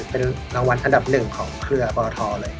เป็นรางวัลอันดับหนึ่งของเครือปรทเลย